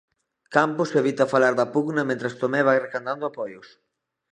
Campos evita falar da pugna mentres Tomé vai recadando apoios.